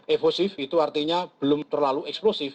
evosif itu artinya belum terlalu eksplosif